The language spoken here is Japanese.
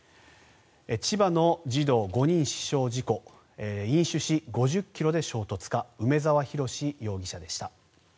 千葉の児童５人死傷事故飲酒し５０ｋｍで衝突か梅沢洋容疑者でした。